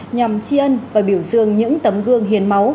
nhằm chi ân và biểu dương những tấm gương hiến máu